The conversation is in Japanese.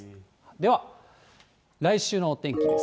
では、来週のお天気です。